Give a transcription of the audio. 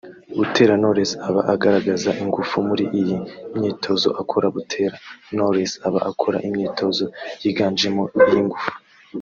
Butera Knowless aba agaragaza ingufu muri iyi myitozo akora Butera Knowless aba akora imyitozo yiganjemo iy'ingufu